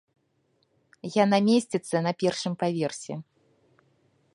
Яна месціцца на першым паверсе.